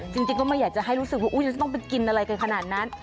จริงก็ไม่อยากจะให้รู้สึกว่าจะต้องไปกินอะไรกันขนาดนั้น